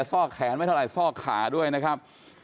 ซอกแขนไม่เท่าไหซอกขาด้วยนะครับ